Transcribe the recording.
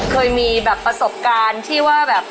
เคยมีแบบประสบการณ์ที่ว่าแบบ